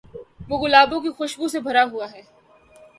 وہ گلابوں کی خوشبو سے بھرا ہوا ہے۔